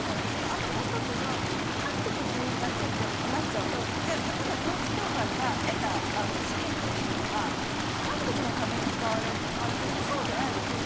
あともう１つ韓国っていう風になっちゃうとじゃあ例えば統一教会が得た資金というものが韓国のために使われるのかっていうとそうじゃないですよ。